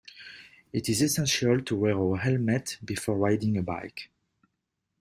It is essential to wear a helmet before riding a bike.